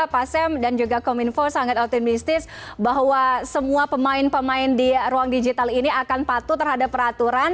pak sam dan juga kominfo sangat optimistis bahwa semua pemain pemain di ruang digital ini akan patuh terhadap peraturan